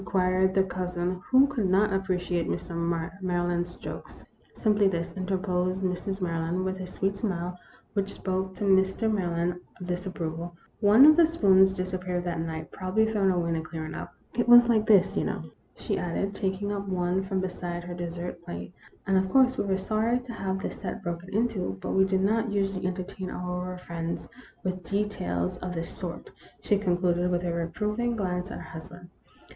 queried the cousin, who could never appreciate Mr. Maryland's jokes. " Simply this," interposed Mrs. Maryland, with a sweet smile, which spoke to Mr. Maryland of dis approval, " one of the spoons disappeared that night probably thrown away in the clearing up. It was like this, you know," she added, taking up one from beside her dessert plate, " and, of course, we were sorry to have the set broken into ; but we do not usually entertain our friends with details of this sort," she concluded, with a reproving glance at her husband.